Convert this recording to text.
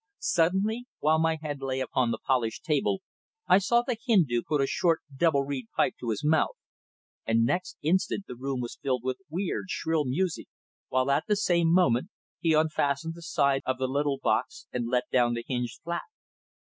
Suddenly, while my head lay upon the polished table I saw the Hindu put a short double reed pipe to his mouth, and next instant the room was filled with weird, shrill music, while at the same moment he unfastened the side of the little box and let down the hinged flap.